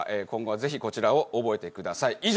今後はぜひこちらを覚えてください。